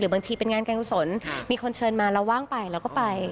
บางทีเป็นงานการกุศลมีคนเชิญมาเราว่างไปเราก็ไป